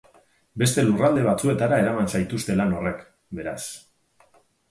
Beste lurralde batzuetara eraman zaituzte lan horrek, beraz.